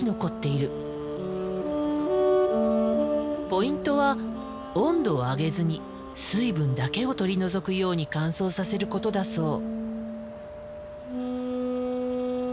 ポイントは温度を上げずに水分だけを取り除くように乾燥させることだそう。